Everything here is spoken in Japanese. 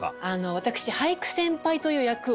私俳句先輩という役を。